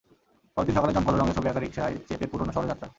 পরদিন সকালে জমকালো রঙে ছবি আঁকা রিকশায় চেপে পুরোনো শহরে যাত্রা।